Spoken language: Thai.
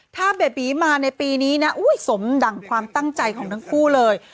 ถ้าเบบีมาในปีนี้นะสมดั่งความตั้งใจของทั้งคู่เลย